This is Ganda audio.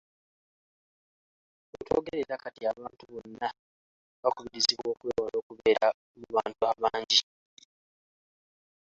Wetwogerera kati, abantu bonna baakubirizibwa okwewala okubeera mu bantu abangi.